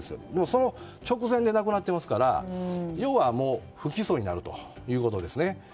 その直前で亡くなってますから要は不起訴になるということです。